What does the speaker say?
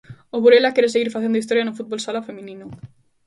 O Burela quere seguir facendo historia no fútbol sala feminino.